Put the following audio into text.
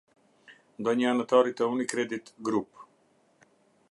Ndonjë anëtari të UniCredit Group.